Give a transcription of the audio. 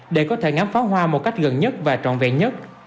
để có thể ngắm pháo hoa một cách gần nhất và trọn vẹn nhất